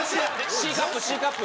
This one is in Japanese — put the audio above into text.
ＣカップＣカップ。